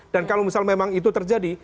kalau misal memang itu terjadi